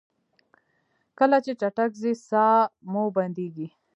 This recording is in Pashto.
کله چې چټک ځئ ساه مو بندیږي؟